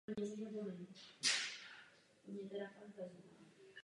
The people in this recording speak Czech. Na Ebay.de se ještě sem tam vyskytují pro sběratele na prodej.